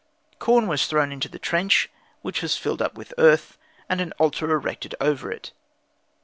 Corn was thrown into the trench, which was filled up with earth, and an altar erected over it.